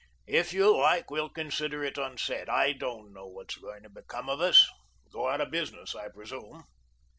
If you like, we'll consider it unsaid. I don't know what's going to become of us go out of business, I presume."